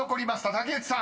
［竹内さん］